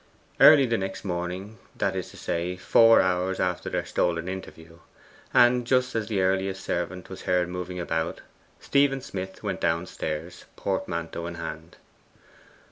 Early the next morning that is to say, four hours after their stolen interview, and just as the earliest servant was heard moving about Stephen Smith went downstairs, portmanteau in hand.